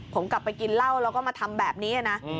ผมกลับไปกินเหล้าแล้วก็มาทำแบบนี้นะ